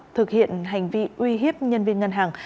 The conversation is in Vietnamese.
thực hiện hành vi uy hiếp nhân viên ngân hàng